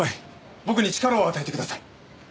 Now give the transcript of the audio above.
僕に力を与えてください。